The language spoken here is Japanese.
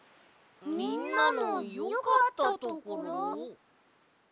みんなのよかったところ？